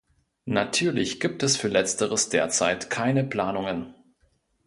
Natürlich gibt es für Letzteres derzeit keine Planungen.